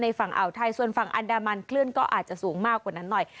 ฝั่งอ่าวไทยส่วนฝั่งอันดามันคลื่นก็อาจจะสูงมากกว่านั้นหน่อย